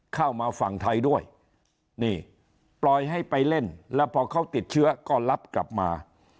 เข้ามาฝั่งไทยด้วยนี่ปล่อยให้ไปเล่นแล้วพอเขาติดเชื้อก็รับกลับมา